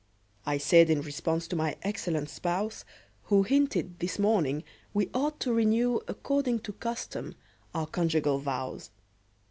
I said in response to my excellent spouse, Who hinted, this morning, we ought to renew According to custom, our conjugal vows.